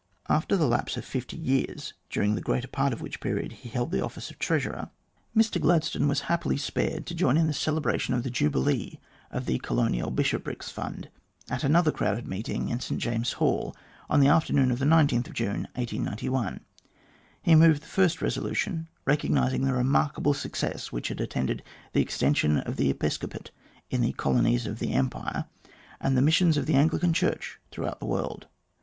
After the lapse of fifty years, during the greater part of which period he had held the office of treasurer, Mr Glad MB GLADSTONE AND THE COLONIES 233 stone was happily spared to join in the celebration of the jubilee of the Colonial Bishoprics Fund, at another crowded meeting in St James's Hall, on the afternoon of June 19, 1891. He moved the first resolution, recognising the remark able success which had attended the extension of the episcopate in the colonies of the Empire and the missions of the Anglican Church throughout the world.